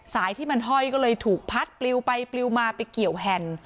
ที่มันห้อยก็เลยถูกพัดปลิวไปปลิวมาไปเกี่ยวแห่น